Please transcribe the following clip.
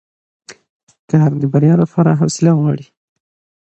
کار د بریا لپاره حوصله غواړي